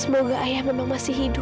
semoga ayah memang masih hidup